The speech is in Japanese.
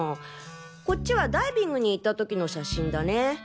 こっちはダイビングに行った時の写真だね。